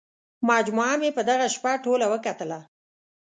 مجموعه مې په دغه شپه ټوله وکتله.